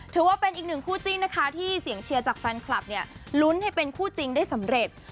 ถือว่าเป็นอีกหนึ่งคู่จิ้นนะคะที่เสียงเชียร์จากแฟนคลับเนี่ยลุ้นให้เป็นคู่จริงได้สำเร็จ